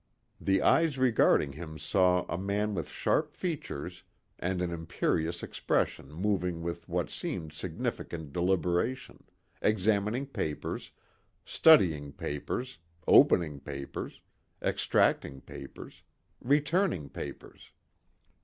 The eyes regarding him saw a man with sharp features and an imperious expression moving with what seemed significant deliberation, examining papers, studying papers, opening papers, extracting papers, returning papers.